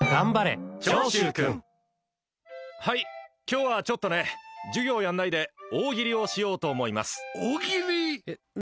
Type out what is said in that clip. はい、今日はちょっとね授業やんないで大喜利をしようと大喜利？